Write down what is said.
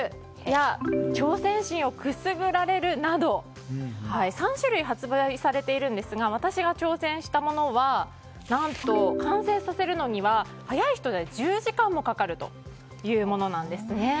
や挑戦心をくすぐられる！など３種類発売されていますが私が挑戦したものは何と完成させるまでには早い人で１０時間もかかるというものなんです。